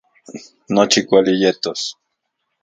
Nochi kuali yetos